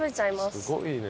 すごいね。